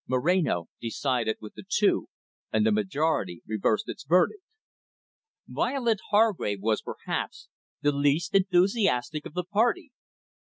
Moreno decided with the two, and the majority reversed its verdict. Violet Hargrave was, perhaps, the least enthusiastic of the party.